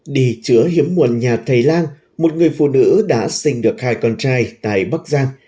đi chữa hiếm muộn nhà thầy lan một người phụ nữ đã sinh được hai con trai tại bắc giang